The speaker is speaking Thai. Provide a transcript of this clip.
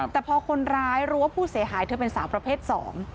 แต่พอคนร้ายรู้ว่าผู้เสียหายเธอเป็นสาวประเภทสอง